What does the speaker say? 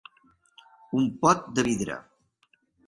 Un pot de vidre.